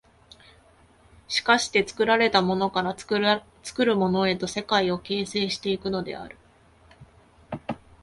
しかして作られたものから作るものへと世界を形成し行くのである。